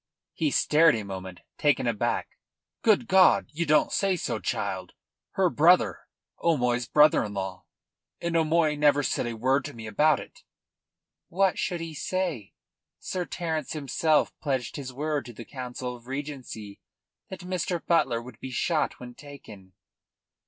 He stared a moment, taken aback. "Good God! Ye don't say so, child! Her brother! O'Moy's brother in law! And O'Moy never said a word to me about it. "What should he say? Sir Terence himself pledged his word to the Council of Regency that Mr. Butler would be shot when taken."